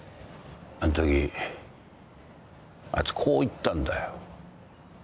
あんときあいつこう言ったんだよ。